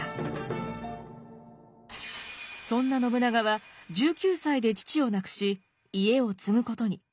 そんな信長は１９歳で父を亡くし家を継ぐことに。